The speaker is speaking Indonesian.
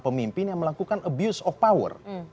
pemimpin yang melakukan abuse of power